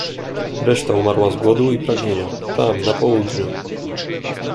"Reszta umarła z głodu i pragnienia, tam, na południu."